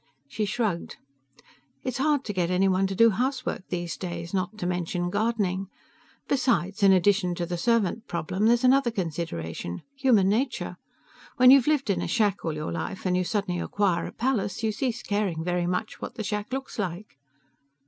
She shrugged. "It's hard to get anyone to do housework these days not to mention gardening. Besides, in addition to the servant problem, there's another consideration human nature. When you've lived in a shack all your life and you suddenly acquire a palace, you cease caring very much what the shack looks like."